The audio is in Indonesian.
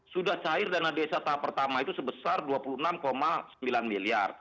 sudah cair dana desa tahap pertama itu sebesar rp dua puluh enam sembilan miliar